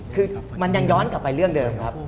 คือมันยังย้อนกลับไปเรื่องเดิมครับ